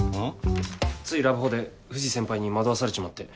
ついラブホで藤先輩に惑わされちまって。